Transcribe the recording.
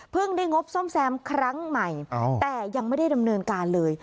ได้งบซ่อมแซมครั้งใหม่แต่ยังไม่ได้ดำเนินการเลย